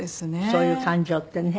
そういう感情ってね。